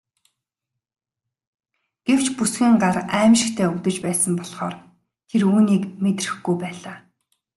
Гэвч бүсгүйн гар аймшигтай өвдөж байсан болохоор тэр үүнийг мэдрэхгүй байлаа.